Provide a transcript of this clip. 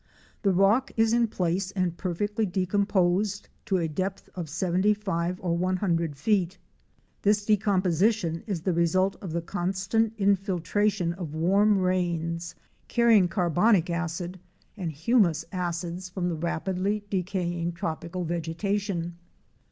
The rock is in place and perfectly decomposed to a depth of seventy five or one hundred fect. This decomposition is the result of the constant infiltration of warm rains carrying carbonic A GOLD MINE IN THE WILDERNESS. 169 acid and humous acids from the rapidly decaying tropical vegetation.